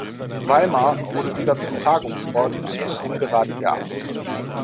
Weimar wurde wieder zum Tagungsort in jedem ungeraden Jahr.